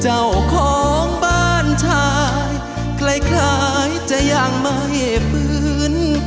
เจ้าของบ้านชายคล้ายจะยังไม่ฟื้น